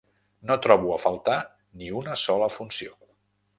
No trobo a faltar ni una sola funció.